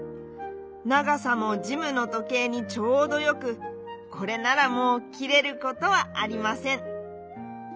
ながさもジムのとけいにちょうどよくこれならもうきれることはありません。